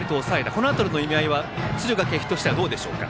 この辺りの意味合いは敦賀気比としてはどうでしょう。